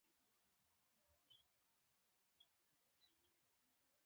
• هره ورځ د زده کړې لپاره یو نوی څه لري.